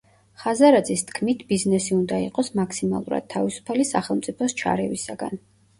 ხაზარაძის თქმით, ბიზნესი უნდა იყოს მაქსიმალურად თავისუფალი სახელმწიფოს ჩარევისაგან.